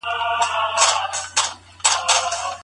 سياست پوهنه د پوهانو پام ځان ته راکاږي.